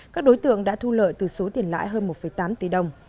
các đối tượng đã thu lợi từ số tiền lãi hơn một tám tỷ đồng